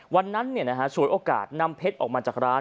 วันนั้นเนี่ยนะฮะสวยโอกาสนำเพชรออกมาจากร้าน